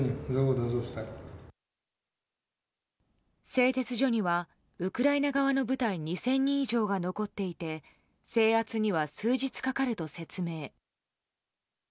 製鉄所にはウクライナ側の部隊２０００人以上が残っていて制圧には数日かかると説明。